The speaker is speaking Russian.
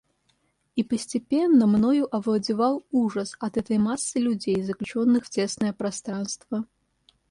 И постепенно мною овладевал ужас от этой массы людей, заключенных в тесное пространство.